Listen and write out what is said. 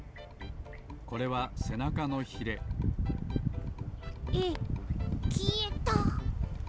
これはせなかのヒレえっきえた！？